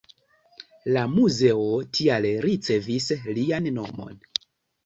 La muzeo tial ricevis lian nomon.